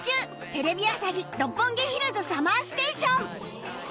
テレビ朝日・六本木ヒルズ ＳＵＭＭＥＲＳＴＡＴＩＯＮ